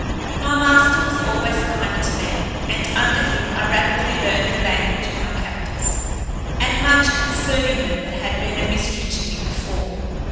My master was always kind to me, and under him I rapidly learned the language of my captors, and much concerning them that had been a mystery to me before.